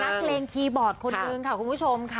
นักเลงคีย์บอร์ดคนนึงคุณผู้ชม